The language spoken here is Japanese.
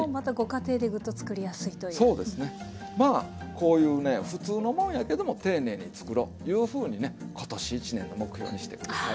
こういうねふつうのもんやけども丁寧につくろいうふうにね今年一年の目標にして下さい。